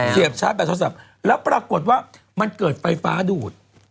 ชาร์จแบตโทรศัพท์แล้วปรากฏว่ามันเกิดไฟฟ้าดูด